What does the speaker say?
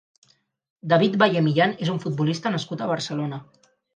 David Valle Millán és un futbolista nascut a Barcelona.